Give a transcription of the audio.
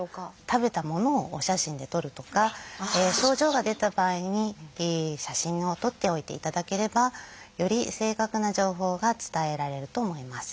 食べたものをお写真で撮るとか症状が出た場合に写真を撮っておいていただければより正確な情報が伝えられると思います。